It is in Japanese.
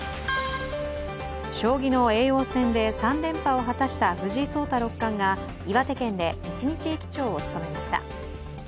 将棋の叡王戦で３連覇を果たした藤井聡太六冠が岩手県で一日駅長を務めました。